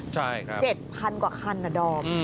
ใช่ครับ๗๐๐กว่าคันนะดอม